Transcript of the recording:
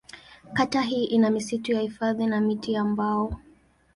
Kata hii ina misitu ya hifadhi na miti ya mbao.